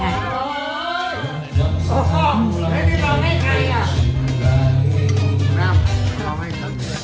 โชคล้อน